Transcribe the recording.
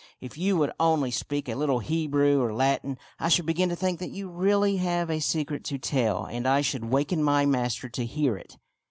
If you would only speak a little Hebrew or Latin, I should begin to think that you really have a secret to tell, and I should waken my master to hear it."